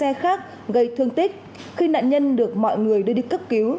các phụ xe khác gây thương tích khi nạn nhân được mọi người đưa đi cấp cứu